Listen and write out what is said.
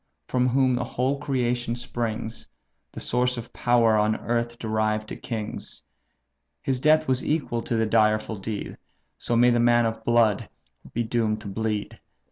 from whom the whole creation springs, The source of power on earth derived to kings! His death was equal to the direful deed; So may the man of blood be doomed to bleed!